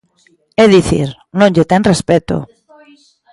É dicir, non lle ten respecto.